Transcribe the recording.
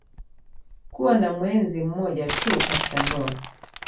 Kuwa na mwenzi mmoja tu katika ndoa